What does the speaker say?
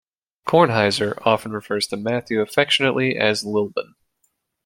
Kornheiser often refers to Matthew affectionately as Lilbon.